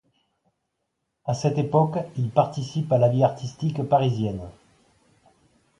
À cette époque, il participe à la vie artistique parisienne.